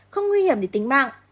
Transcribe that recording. không nguy hiểm để tính mạng